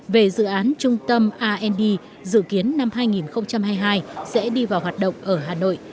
về dự án trung tâm r dự kiến năm hai nghìn hai mươi hai sẽ đi vào hoạt động ở hà nội